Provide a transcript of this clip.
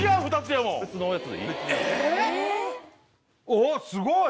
おおっすごい！